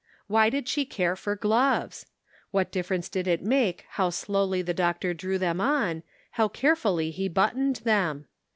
Why did she care for gloves? What difference did it make how slow]y the doctor drew them on, how carefully he buttoned them